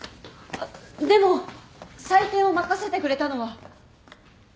でも採点を任せてくれたのは。